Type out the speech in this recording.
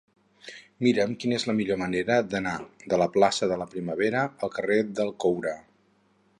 Mira'm quina és la millor manera d'anar de la plaça de la Primavera al carrer del Coure.